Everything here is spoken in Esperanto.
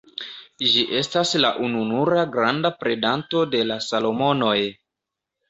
Ĝi estas la ununura granda predanto de la Salomonoj.